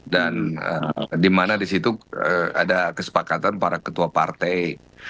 dan di mana di situ ada kesepakatan para ketua partai